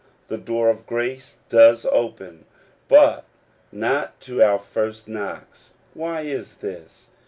The door of grace does open, but not to our first knocks. Why is this